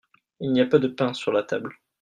Il n'y a pas de pain sur la table.